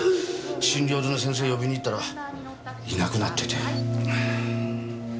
診療所の先生呼びに行ったらいなくなってて。